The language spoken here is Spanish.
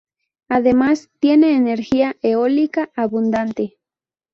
Además, tiene energía eólica abundante.